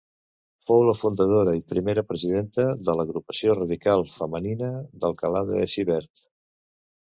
Fou la fundadora i primera presidenta de l’Agrupació Radical Femenina d’Alcalà de Xivert.